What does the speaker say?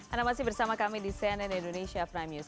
anda masih bersama kami di cnn indonesia prime news